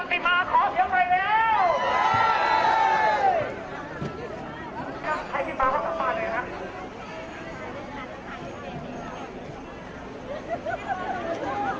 โปรดติดตามตอนต่อไป